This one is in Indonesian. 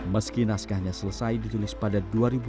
meski naskahnya selesai ditulis pada dua ribu lima belas